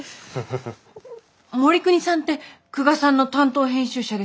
護国さんって久我さんの担当編集者ですよね？